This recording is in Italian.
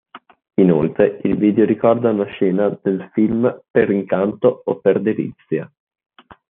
Inoltre il video ricorda una scena del film Per incanto o per delizia.